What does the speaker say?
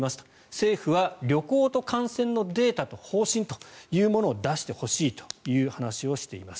政府は旅行と感染のデータと方針というものを出してほしいという話をしています。